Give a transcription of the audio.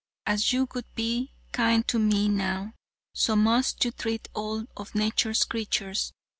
As you would be kind to me now, so must you treat all of nature's creatures.